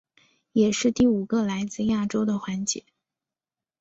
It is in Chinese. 也是第五个来自亚洲的环姐。